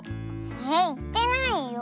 えっいってないよ。